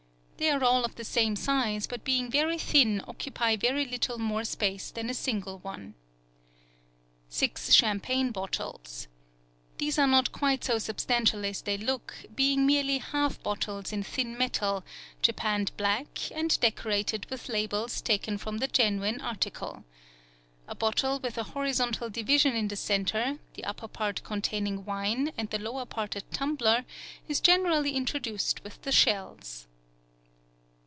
They are all of the same size, but being very thin occupy very little more space than a single one. Six champagne bottles.—These are not quite so substantial as they look, being merely half bottles in thin metal, japanned black, and decorated with labels taken from the genuine article. A bottle with a horizontal division in the center, the upper part containing wine, and the lower part a tumbler, is generally introduced with the shells.